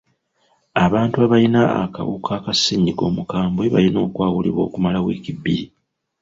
Abantu abayina akawuka ka ssenyiga omukambwe bayina okwawulibwa okumala wiiki bbiri.